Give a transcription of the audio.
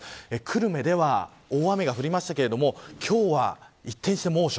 久留米では大雨が降りましたが今日は一転して猛暑。